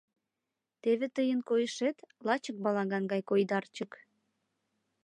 Теве тыйын койышет — лачак балаган гай койдарчык.